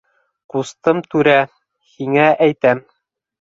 Ҡустым-түрә, һиңә әйтәм...